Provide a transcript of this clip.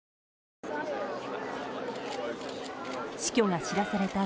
死去が知らされた